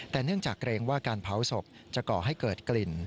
แต่เนื่องจากเกรงว่าการเผาศพจะก่อให้เกิดกลิ่น